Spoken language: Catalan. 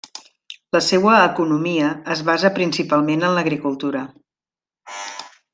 La seua economia es basa principalment en l'agricultura.